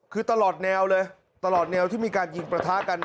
คือตลอดแนวเลยตลอดแนวที่มีการยิงประทะกัน